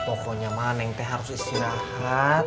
pokoknya mah neng teh harus istirahat